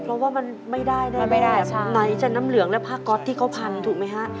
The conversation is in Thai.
เพราะว่ามันไม่ได้แน่ไม่ได้ไหนจะน้ำเหลืองและผ้าก๊อตที่เขาพันถูกไหมฮะ